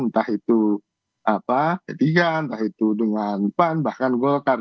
entah itu ketiga entah itu dengan empat bahkan worldcard